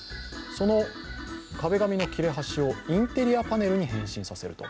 その壁紙の切れ端をインテリアパネルに変身させると。